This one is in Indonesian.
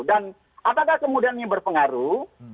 dan apakah kemudian ini berpengaruh